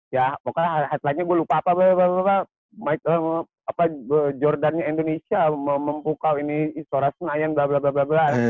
ya pokoknya headlinenya gue lupa apa apa jordan indonesia mempukau ini istora senayan blablabla